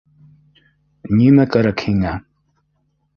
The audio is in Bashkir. Нимә кәрәк һиңә?!